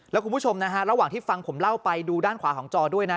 แล้วคุณผู้ชมนะฮะระหว่างที่ฟังผมเล่าไปดูด้านขวาของจอด้วยนะ